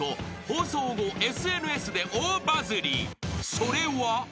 ［それは］